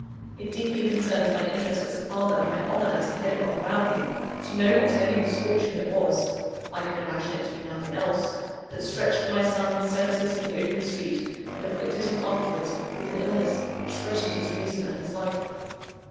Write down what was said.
It deeply concerns my interest as a father, and my honour as the head of our family, to know what heavy misfortune it was (I can imagine it to be nothing else) that stretched my son senseless in the open street, and afflicted him afterwards with an illness which threatened his reason and his life.